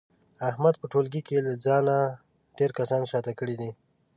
احمد په ټولګي له ځانه ډېر کسان شاته کړي دي.